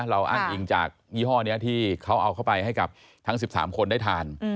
อ้างอิงจากยี่ห้อนี้ที่เขาเอาเข้าไปให้กับทั้ง๑๓คนได้ทาน